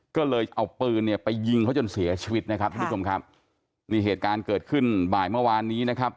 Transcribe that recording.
ก็เลยเอาปืนเนี่ยไปยิงเขาจนเสียชีวิตนะครับทุกผู้ชมครับนี่เหตุการณ์เกิดขึ้นบ่ายเมื่อวานนี้นะครับ